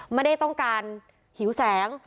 ไม่ได้ต้องการหิวแสง